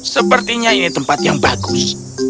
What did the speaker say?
sepertinya ini tempat yang bagus